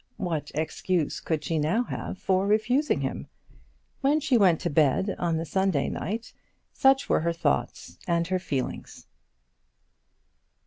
What excuse could she now have for refusing him? When she went to bed on the Sunday night such were her thoughts and her feelings.